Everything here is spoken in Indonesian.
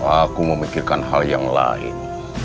aku memikirkan hal yang lain